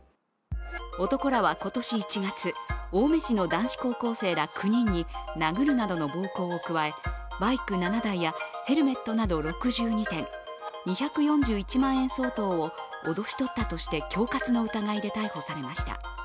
男らは今年１月、青梅市の男子高校生ら９人に殴るなどの暴行を加え、バイク７台やヘルメットなど６２点２４１万円相当を脅し取ったとして恐喝の疑いで逮捕されました。